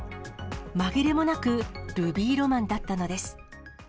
紛れもなくルビーロマンだったのです。